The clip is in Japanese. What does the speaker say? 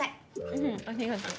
うんありがとう。